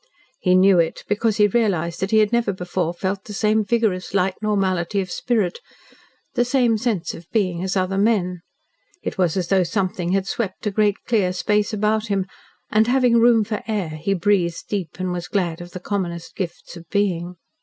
He knew it because he realised that he had never before felt the same vigorous, light normality of spirit, the same sense of being as other men. It was as though something had swept a great clear space about him, and having room for air he breathed deep and was glad of the commonest gifts of being.